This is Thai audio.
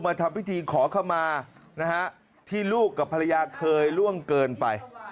ทำพิธีขอขมานะฮะที่ลูกกับภรรยาเคยล่วงเกินไป